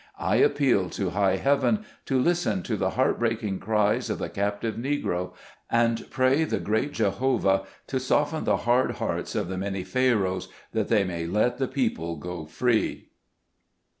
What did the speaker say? I appeal to high Heaven to listen to the heart breaking cries of the captive Negro, and pray the great Jehovah to soften the hard hearts of the many Pharoahs, that they may let the people go free